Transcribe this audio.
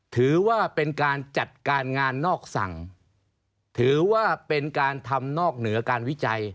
ถือว่าเป็นการจัดการงานนอกสั่งถือว่าเป็นการทำนอกเหนือการวิจัย